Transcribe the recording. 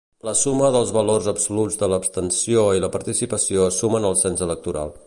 La suma dels valors absoluts de l'abstenció i la participació sumen el cens electoral.